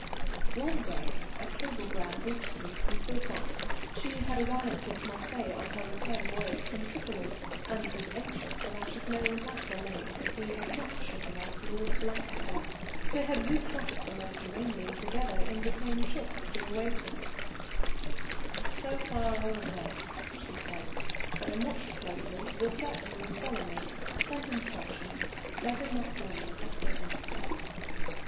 One day a cablegram reached me from Philpotts. She had arrived at Marseilles on her return voyage from Tripoli, and was anxious that I should know without delay that we had not shaken off Lord Blackadder. They had recrossed the Mediterranean together in the same ship, the Oasis. "So far all well," she said, "but am watched closely, will certainly follow me send instructions better not join you at present."